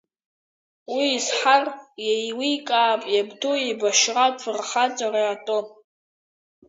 Уи изҳар еиликаап иабду еибашьратә фырхаҵара атәы.